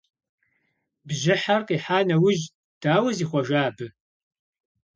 Бжьыхьэр къихьа нэужь, дауэ зихъуэжа абы?